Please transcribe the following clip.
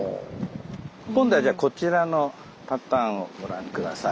今度はじゃあこちらのパターンをご覧下さい。